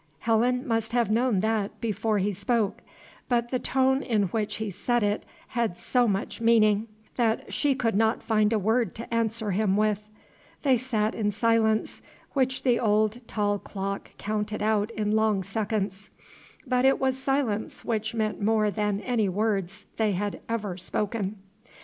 Helen must have known that before he spoke. But the tone in which he said it had so much meaning, that she could not find a word to answer him with. They sat in silence, which the old tall clock counted out in long seconds; but it was silence which meant more than any words they had ever spoken.